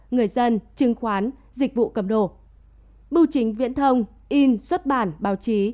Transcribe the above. người dân chứng khoán dịch vụ cầm đồ bưu chính viễn thông in xuất bản báo chí